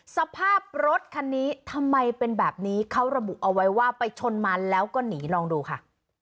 สภาพรถคันนี้ทำไมเป็นแบบนี้เขาระบุเอาไว้ว่าไปชนมันแล้วก็หนีลองดูค่ะ